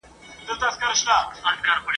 له یوه کلي تر بل به ساعتونه !.